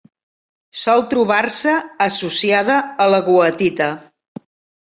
Sol trobar-se associada a la goethita.